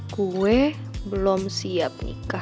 gue belum siap nikah